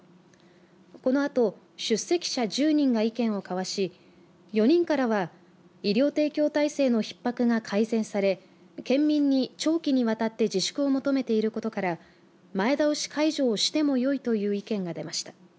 このあと出席者１０人が意見を交わし４人からは医療提供体制のひっ迫が改善され県民に長期にわたって自粛を求めていることから前倒し解除をしてもよいという意見が出ました。